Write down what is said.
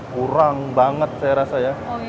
kurang banget saya rasa ya